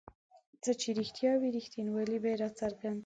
څه چې رښتیا وي رښتینوالی به یې راڅرګند شي.